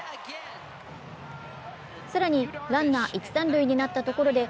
更に、ランナー一・三塁になったところで、